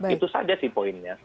itu saja sih poinnya